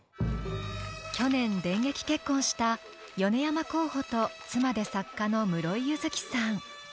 去年、電撃結婚した米山候補と妻で作家の室井佑月さん。